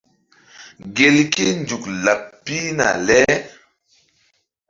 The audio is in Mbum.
Gelke nzuk laɓ pihna le.